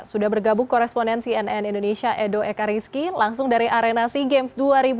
sudah bergabung koresponen cnn indonesia edo ekariski langsung dari arena sea games dua ribu dua puluh